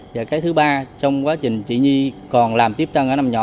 và cái thứ ba trong quá trình chị nhi còn làm tiếp tân ở năm nhỏ